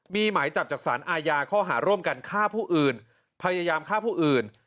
มีหมายจับจากสารอาญาข้อหาร่วมกันฆ่าผู้อื่นพยายามฆ่าผู้อื่น